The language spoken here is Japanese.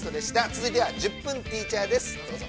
続いては「１０分ティーチャー」です、どうぞ。